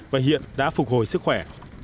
và hiện đã phục hồi sức khỏe